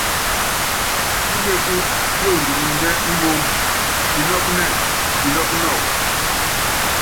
Píméku píond ninɛ nímoóm, pinɔ́k nɛ́k pinɔ́k nok.